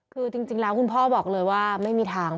คือจริงแล้วคุณพ่อบอกเลยว่าไม่มีทาง